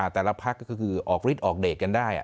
แต่ละพักก็คือออกฤทธิ์ออกเดทกันได้